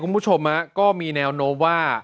คุณผู้ชมก็มีแนวโน้มว่า